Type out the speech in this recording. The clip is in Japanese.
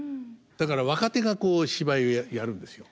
だから若手が芝居やるんですよ。